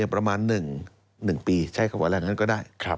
ประมาณ๑ปีใช้คำว่าแรงนั้นก็ได้